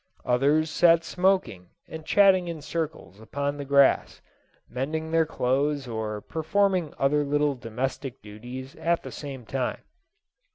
Others sat smoking and chatting in circles upon the grass, mending their clothes or performing other little domestic duties at the same time.